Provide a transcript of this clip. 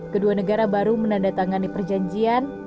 kedua negara baru menandatangani perjanjian